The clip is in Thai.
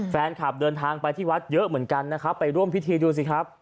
แฟนคลับเดินทางไปที่วัดเยอะเหมือนกันนะครับไปร่วมพิธีดูสิครับ